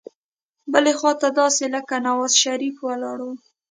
بلې خوا ته داسې لکه نوزا شریف ولاړ وو.